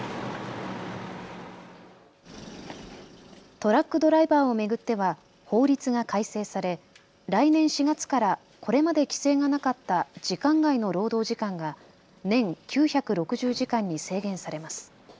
トラックドライバーを巡っては法律が改正され来年４月からこれまで規制がなかった時間外の労働時間が年９６０時間に制限されます。